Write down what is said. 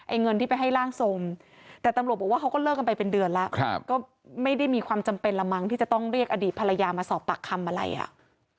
เงินที่ไปให้ร่างทรงแต่ตำรวจบอกว่าเขาก็เลิกกันไปเป็นเดือนแล้วก็ไม่ได้มีความจำเป็นละมั้งที่จะต้องเรียกอดีตภรรยามาสอบปากคำอะไรอ่ะ